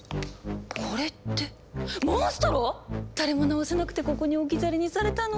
これってモンストロ⁉誰も治せなくてここに置き去りにされたの？